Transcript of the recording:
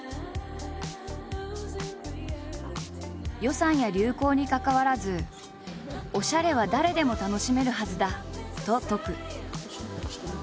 予算や流行にかかわらずおしゃれは誰でも楽しめるはずだと説く。